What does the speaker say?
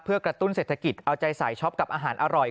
เพื่อกระตุ้นเศรษฐกิจเอาใจสายช็อปกับอาหารอร่อย